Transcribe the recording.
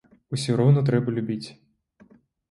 Усё роўна трэба любіць.